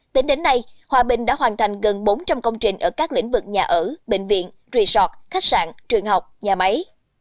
tính đến nay hòa bình đã hoàn thành gần bốn trăm linh công trình ở các lĩnh vực nhà ở bệnh viện resort khách sạn trường học nhà máy